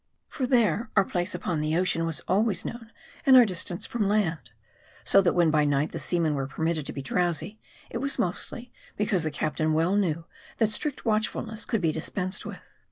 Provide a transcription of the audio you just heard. For there, our place upon the ocean was always known, and our distance from land ; so that when by night the seamen were permitted to be drowsy, it was mostly, because the captain well knew that strict watchfulness could be dispensed with.